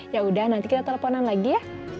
ya udah nanti kita teleponan lagi ya